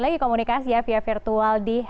terima kasih juga banyak terima kasih